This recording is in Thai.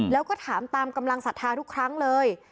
แล้วก็ถามตามกำลังศรัทธาทุกครั้งเลย